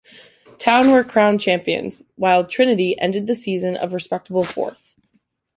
Town were crowned champions, while Trinity ended the season a respectable fourth.